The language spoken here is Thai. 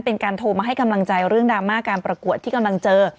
เป็นการโทรมาให้กำลังใจเรื่องดราม่าการประกวดที่กำลังเจอ